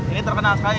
ini terkenal sekali